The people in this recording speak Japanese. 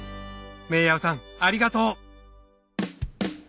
メーヤウさんありがとう！